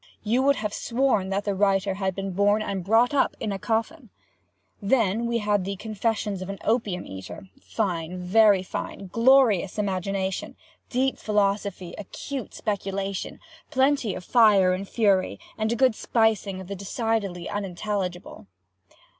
You would have sworn that the writer had been born and brought up in a coffin. Then we had the 'Confessions of an Opium eater'—fine, very fine!—glorious imagination—deep philosophy acute speculation—plenty of fire and fury, and a good spicing of the decidedly unintelligible.